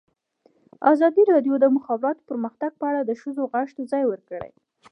ازادي راډیو د د مخابراتو پرمختګ په اړه د ښځو غږ ته ځای ورکړی.